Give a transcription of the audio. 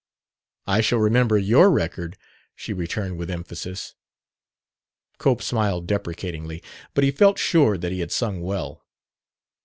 "I shall remember your record," she returned with emphasis. Cope smiled deprecatingly; but he felt sure that he had sung well.